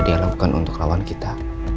dialakukan untuk lawan kita